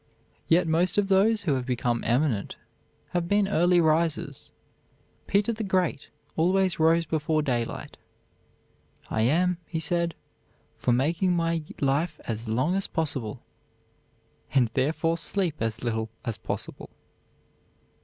Yet most of those who have become eminent have been early risers. Peter the Great always rose before daylight. "I am," said he, "for making my life as long as possible, and therefore sleep as little as possible."